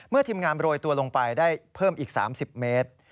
ทีมงานโรยตัวลงไปได้เพิ่มอีก๓๐เมตร